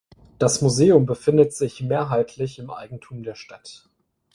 Das Museum befindet sich mehrheitlich im Eigentum der Stadt.